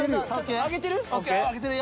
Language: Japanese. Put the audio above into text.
上げてるよ。